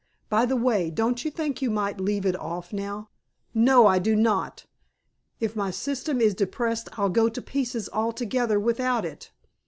By the way, don't you think you might leave it off now?" "No, I do not. If my system is depressed I'd go to pieces altogether without it."